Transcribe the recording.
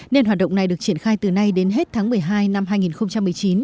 nên hoạt động này được triển khai từ nay đến hết tháng một mươi hai năm hai nghìn một mươi chín